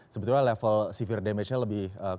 sebetulnya level civil damage nya lebih